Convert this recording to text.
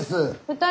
・２人。